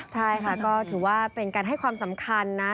ใช่ค่ะก็ถือว่าเป็นการให้ความสำคัญนะ